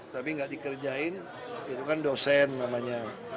tapi nggak dikerjain itu kan dosen namanya